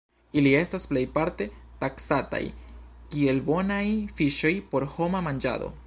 Ili estas plejparte taksataj kiel bonaj fiŝoj por homa manĝado.